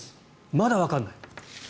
まだわからない。